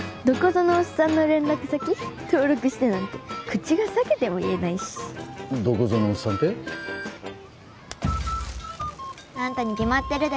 どこぞのおっさんの連絡先登録してなんて口が裂けても言えないしどこぞのおっさんって？